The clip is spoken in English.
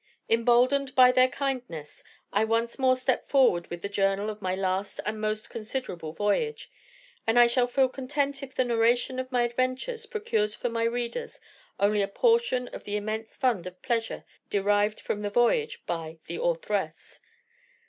Emboldened by their kindness, I once more step forward with the journal of my last and most considerable voyage, and I shall feel content if the narration of my adventures procures for my readers only a portion of the immense fund of pleasure derived from the voyage by THE AUTHORESS.